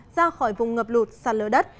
ra khỏi vùng ngập lụt sạt lở đất